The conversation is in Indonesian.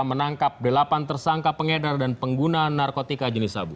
menangkap delapan tersangka pengedar dan pengguna narkotika jenis sabu